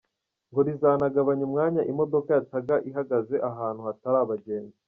Ngo rizanagabanya umwanya imodoka yataga ihagaze ahantu hatari abagenzi.